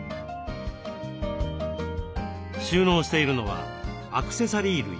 収納しているのはアクセサリー類。